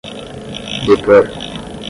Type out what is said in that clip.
depor